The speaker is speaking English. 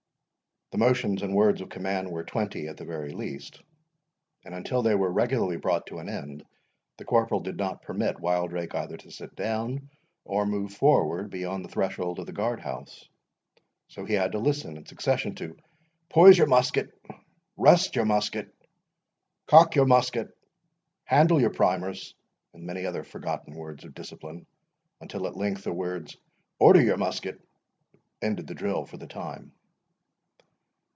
The motions and words of command were twenty at the very least; and until they were regularly brought to an end, the corporal did not permit Wildrake either to sit down or move forward beyond the threshold of the guard house. So he had to listen in succession to—Poise your musket—Rest your musket—Cock your musket—Handle your primers—and many other forgotten words of discipline, until at length the words, "Order your musket," ended the drill for the time.